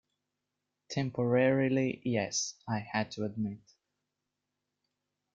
"Temporarily, yes," I had to admit.